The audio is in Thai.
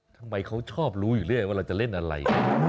ทำไมเขาชอบรู้อยู่เรื่อยว่าเราจะเล่นอะไร